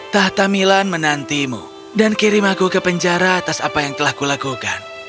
tahta milan menantimu dan kirim aku ke penjara atas apa yang telah kulakukan